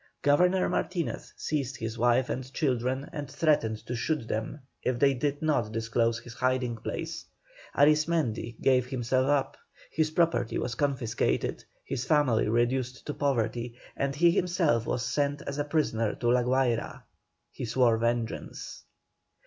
Governor Martinez seized his wife and children and threatened to shoot them if they did not disclose his hiding place. Arismendi gave himself up, his property was confiscated, his family reduced to poverty, and he himself was sent as a prisoner to La Guayra. He swore vengeance.